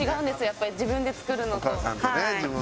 やっぱり自分で作るのと。